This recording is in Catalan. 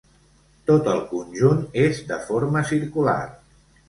Tot el conjunt és de forma circular.